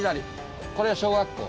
これ小学校。